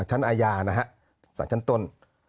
ชั้นอาญานะฮะสารชั้นต้น